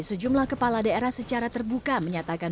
sejumlah kepala daerah secara terbuka menyatakan